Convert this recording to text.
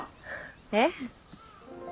えっ？